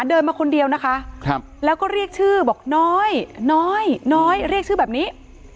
เดินมาคนเดียวนะคะแล้วก็เรียกชื่อบอกน้อยน้อยน้อยเรียกชื่อแบบนี้